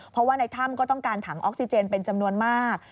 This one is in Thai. เพราะว่าในถ้ำก็ต้องการถังออกซิเจนเป็นจำนวนมาก